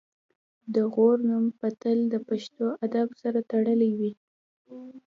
د غور نوم به تل د پښتو ادب سره تړلی وي